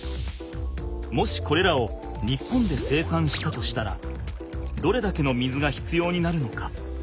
もしこれらを日本で生産したとしたらどれだけの水が必要になるのか？